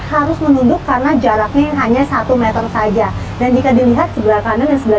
harus menunduk karena jaraknya hanya satu meter saja dan jika dilihat sebelah kanan dan sebelah